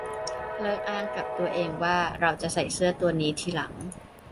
เลิกอ้างกับตัวเองว่าเราจะใส่เสื้อตัวนี้ทีหลัง